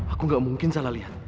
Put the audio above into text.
aku gak mungkin salah lihat